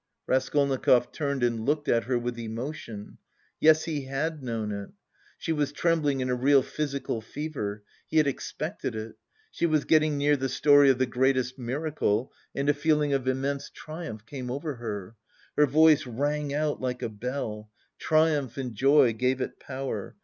Raskolnikov turned and looked at her with emotion. Yes, he had known it! She was trembling in a real physical fever. He had expected it. She was getting near the story of the greatest miracle and a feeling of immense triumph came over her. Her voice rang out like a bell; triumph and joy gave it power.